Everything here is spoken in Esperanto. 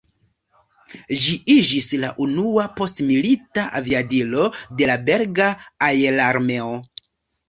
Ĝi iĝis la unua postmilita aviadilo de la belga aerarmeo.